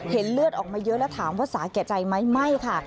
เลือดออกมาเยอะแล้วถามว่าสาแก่ใจไหมไม่ค่ะ